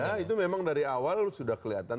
tidak ada itu memang dari awal sudah kelihatan